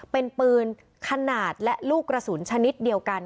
เป็นปืนขนาดและลูกกระสุนชนิดเดียวกัน